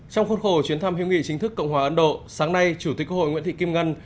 trong khuôn khổ chuyến thăm hữu nghị chính thức cộng hòa ấn độ sáng nay chủ tịch quốc hội nguyễn thị kim ngân